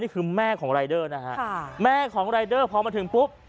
นี่คือแม่ของรายเดอร์นะฮะแม่ของรายเดอร์พอมาถึงปุ๊บ